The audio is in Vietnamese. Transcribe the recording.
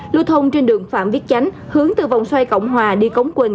lưu thông trên đường phạm viết chánh hướng từ vòng xoay cộng hòa đi cống quỳnh